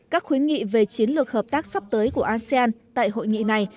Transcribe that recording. các khuyến nghị về chiến lược hợp tác sắp tới của asean tại hội nghị này